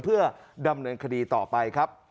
เพื่อดำเนินคดีต่อไปครับ